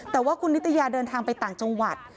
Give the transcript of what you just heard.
แต่ว่าคุณนิตยาเดินทางไปต่างจังหวัด